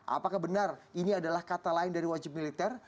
apakah benar ini adalah kata lain dari wajib militer